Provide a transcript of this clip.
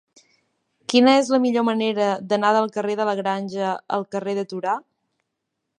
Quina és la millor manera d'anar del carrer de la Granja al carrer de Torà?